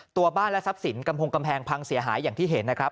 ตัวบ้านและทรัพย์สินกำพงกำแพงพังเสียหายอย่างที่เห็นนะครับ